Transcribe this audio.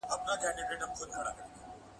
ټول وطن به سي غوجل د حیوانانو !.